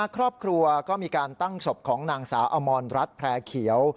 ครอบครัวก็มีการตั้งศพของนางสาวอมรรัฐแพร่เขียว